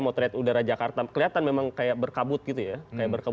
motret udara jakarta kelihatan memang kayak berkabut gitu ya